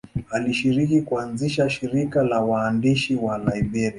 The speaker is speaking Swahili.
Alishiriki kuanzisha shirika la waandishi wa Liberia.